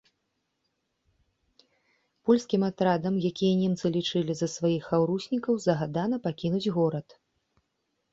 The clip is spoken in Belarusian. Польскім атрадам, якія немцы лічылі за сваіх хаўруснікаў, загадана пакінуць горад.